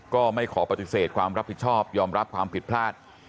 ไม่ขอปฏิเสธความรับผิดชอบยอมรับความผิดพลาด